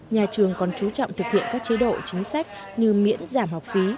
nhà trường còn chú trọng thực hiện các chế độ chính sách như miễn giảm học phí